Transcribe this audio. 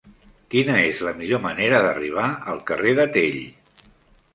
Quina és la millor manera d'arribar al carrer de Tell?